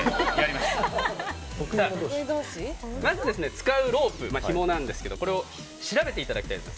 まず使うロープひもなんですけどこれを調べていただきたいと思います。